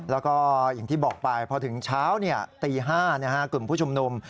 แล้วก็อย่างที่บอกไปพอถึงเช้าตี๕กลุ่มผู้ชุมนุม